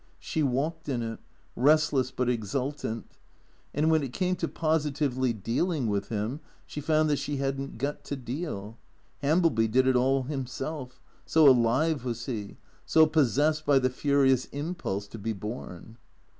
She walked in it, restless but exultant. And when it came to positively dealing with him, she found that she had n't got to deal. Hamblel\y did it all himself, so alive was he, so possessed by the furious impulse to be born.